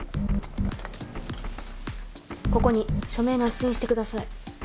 ここに署名捺印してください。